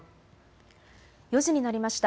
４時になりました。